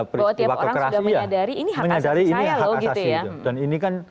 peristiwa kekerasian menyangka bahwa tiap orang sudah menyadari ini hak asasi manusia